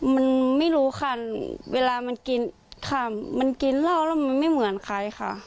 มันไม่รู้ค่ะเวลามันกินค่ะมันกินเหล้าแล้วมันไม่เหมือนใครค่ะ